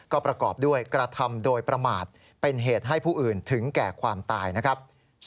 ก็ประกอบด้วยกระทำโดยประมาทเป็นเหตุให้ผู้อื่นถึงแก่ความตายนะครับ